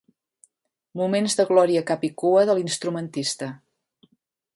Moments de glòria capicua de l'instrumentista.